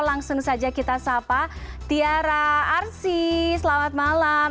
langsung saja kita sapa tiara arsi selamat malam